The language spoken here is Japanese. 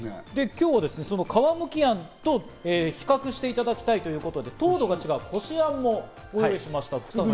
今日はその皮むきあんと比較していただきたいということで、糖度が違う、こしあんもご用意しました。